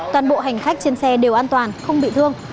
toàn bộ hành khách trên xe đều an toàn không bị thương